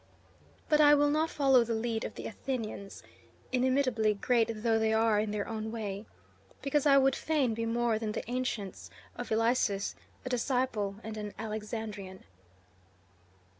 But I will not follow the lead of the Athenians, inimitably great though they are in their own way, because I would fain be more than the ancients of Ilissus: a disciple and an Alexandrian."